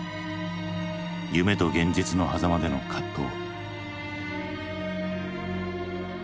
夢と現実のはざまでの葛藤。